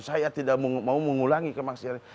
saya tidak mau mengulangi kemaksiatan itu